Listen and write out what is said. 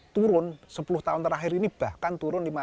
turun sepuluh tahun terakhir ini bahkan turun